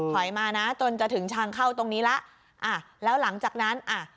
ถอยมาน่ะต้นจะถึงช่างเข้าตรงนี้ล่ะอ่ะแล้วหลังจากนั้นอ่ะ